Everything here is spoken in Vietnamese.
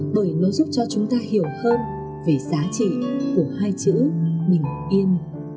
bởi nó giúp cho chúng ta hiểu hơn về giá trị của hai chữ bình yên